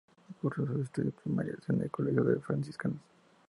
Cursó sus estudios primarios en el colegio de los franciscanos.